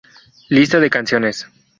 Lista de Canciones